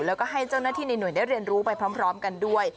แล้วก็ให้เจ้าหน้าที่ในหน่วยได้เรียนรู้ไปพร้อมกันด้วย